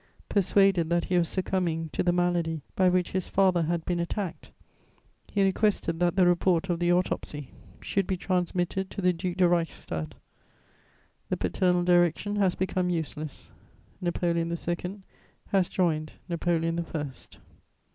Persuaded that he was succumbing to the malady by which his father had been attacked, he requested that the report of the autopsy should be transmitted to the Duc de Reichstadt: the paternal direction has become useless; Napoleon II. has joined Napoleon I. [Sidenote: Napoleon's death bed.